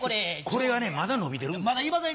これがねまだ延びてるんです。